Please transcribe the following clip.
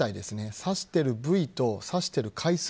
刺している部位と刺している回数